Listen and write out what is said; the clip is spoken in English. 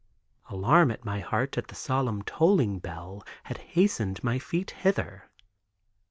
Alarm at my heart at the solemn tolling bell had hastened my feet hither.